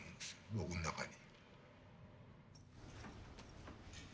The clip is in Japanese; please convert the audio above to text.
僕ん中に。